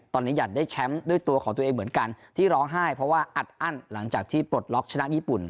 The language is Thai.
ตอนนี้อยากได้แชมป์ด้วยตัวของตัวเองเหมือนกันที่ร้องไห้เพราะว่าอัดอั้นหลังจากที่ปลดล็อกชนะญี่ปุ่น